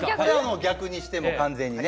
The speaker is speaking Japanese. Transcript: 逆にしてもう完全にね。